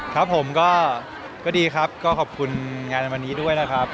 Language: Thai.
ครับผมก็ดีครับก็ขอบคุณงานในวันนี้ด้วยนะครับ